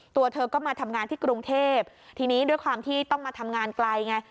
ตัวเธอก็มาทำงานที่กรุงเทพทีนี้ด้วยความที่ต้องมาทำงานไกลไง